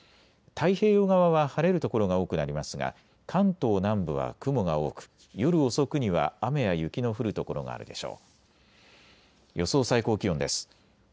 太平洋側は晴れる所が多くなりますが関東南部は雲が多く夜遅くには雨や雪の降る所があるでしょう。